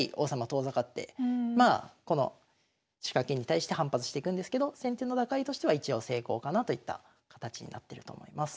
遠ざかってこの仕掛けに対して反発してくんですけど先手の打開としては一応成功かなといった形になってると思います。